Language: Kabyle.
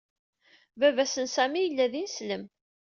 Baba s n Sami yella d ineslem.